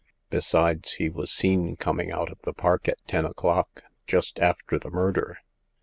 Besides, he was seen coming out of the park at ten o'clock— just after the murder